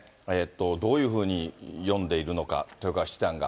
どういうふうに読んでいるのか、豊川七段が。